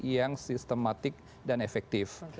yang sistematik dan efektif